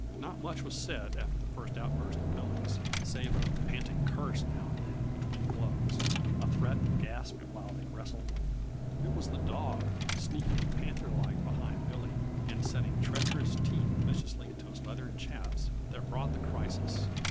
Not much was said after the first outburst of Billy's, save a panting curse now and then between blows, a threat gasped while they wrestled. It was the dog, sneaking panther like behind Billy and setting treacherous teeth viciously into his leathern chaps, that brought the crisis.